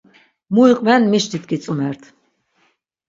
Mu iqven mişlit gitzumert.